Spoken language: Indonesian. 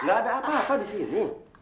gak ada apa apa disini